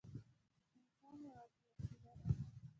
انسان یوازې وسیله ده.